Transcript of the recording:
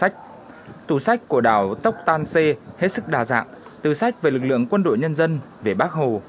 của đảo tốc toan sê hết sức đa dạng từ sách về lực lượng quân đội nhân dân về bắc hồ